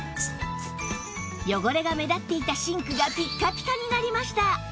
汚れが目立っていたシンクがピッカピカになりました